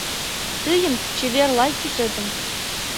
Тыйын чевер-лай тӱсетым